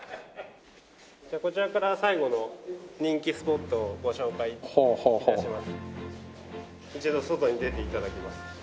こちらから最後の人気スポットをご紹介致します。